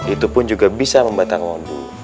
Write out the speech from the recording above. itu pun juga bisa membatalkan wudu